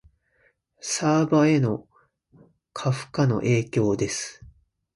サーバへの過負荷の影響です